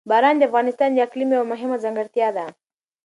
باران د افغانستان د اقلیم یوه مهمه ځانګړتیا ده.